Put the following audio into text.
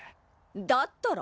だったら。